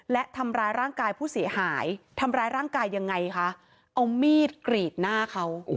และทำร้ายร่างกายผู้เสียหายทำร้ายร่างกายยังไงคะเอามีดกรีดหน้าเขา